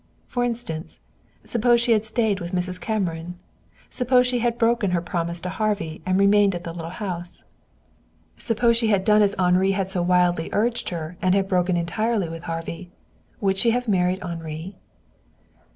For instance, suppose she had stayed with Mrs. Cameron? Suppose she had broken her promise to Harvey and remained at the little house? Suppose she had done as Henri had so wildly urged her, and had broken entirely with Harvey? Would she have married Henri?